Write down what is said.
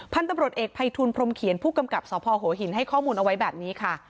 พันธุ์ตำรวจเอกภัยทูลพรมเขียนผู้กำกับสพหัวหินให้ข้อมูลเอาไว้แบบนี้ค่ะ